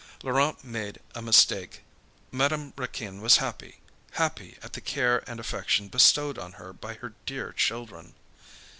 Laurent made a mistake. Madame Raquin was happy, happy at the care and affection bestowed on her by her dear children.